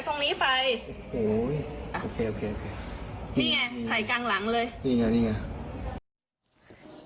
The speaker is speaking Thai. นี่ไงใส่กลางหลังเลย